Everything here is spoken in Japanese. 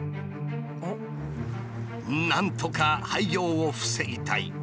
なんとか廃業を防ぎたい。